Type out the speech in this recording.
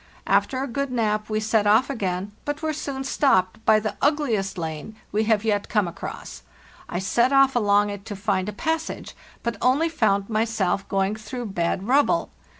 After a good nap we set off again, but were soon stopped by the ugliest lane we have yet come across. I set off along it to find a passage, but only found myself going through bad rubble.